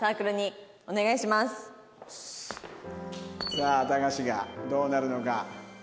さあたかしがどうなるのか。